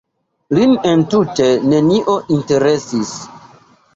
Lin entute nenio interesis.